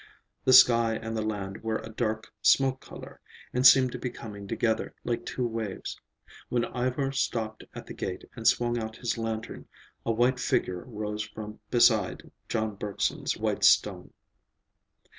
The sky and the land were a dark smoke color, and seemed to be coming together, like two waves. When Ivar stopped at the gate and swung out his lantern, a white figure rose from beside John Bergson's white stone.